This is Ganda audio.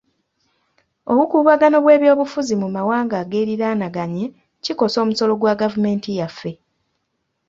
Obukuubagano bw'ebyobufuzi mu mawanga ageeriraananaganye kikosa omusolo gwa gavumenti yaffe.